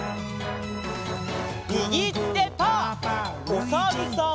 おさるさん。